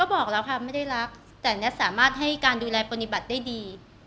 บอกแล้วค่ะไม่ได้รักแต่แท็ตสามารถให้การดูแลปฏิบัติได้ดี